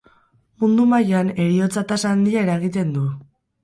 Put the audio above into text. Mundu mailan, heriotza-tasa handia eragiten du.